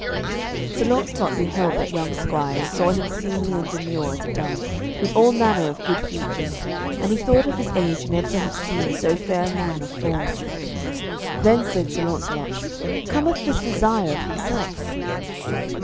Sir Launcelot beheld that young squire, and saw him seemly and demure as a dove, with all manner of good features, and he thought of his age never to have seen so fair a man of form. Then said Sir Launcelot, "Cometh this desire of himself?"